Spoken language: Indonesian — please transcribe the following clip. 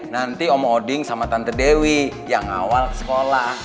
nanti om odin sama tante dewi yang ngawal sekolah